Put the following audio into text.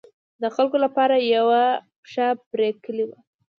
د خلکو لپاره یې یوه پښه پر کلي وه.